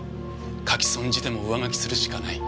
描き損じても上書きするしかない。